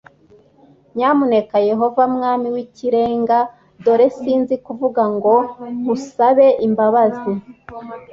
nyamuneka Yehova Mwami w Ikirenga dore sinzi kuvuga ngo nkusabe imbabazi